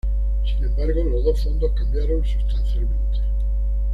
Sin embargo, los dos fondos cambiaron sustancialmente.